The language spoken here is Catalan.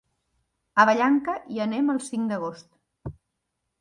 A Vallanca hi anem el cinc d'agost.